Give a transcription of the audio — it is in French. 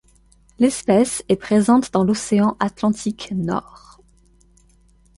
L'espèce est présente dans l'océan Atlantique nord.